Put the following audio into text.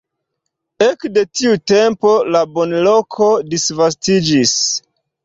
Ekde tiu tempo la banloko disvastiĝis.